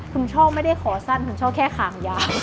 คุณชอบไม่ได้ขอสั้น